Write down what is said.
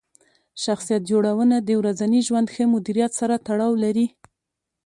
شخصیت جوړونه د ورځني ژوند ښه مدیریت سره تړاو لري.